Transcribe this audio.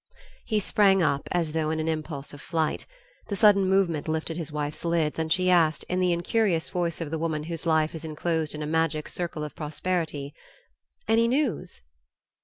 He sprang up, as though in an impulse of flight.... The sudden movement lifted his wife's lids, and she asked, in the incurious voice of the woman whose life is enclosed in a magic circle of prosperity "Any news?"